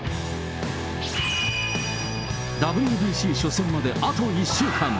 ＷＢＣ初戦まであと１週間。